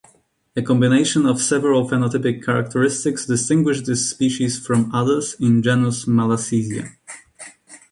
A combination of several phenotypic characteristics distinguish this species from others in genus "Malassezia".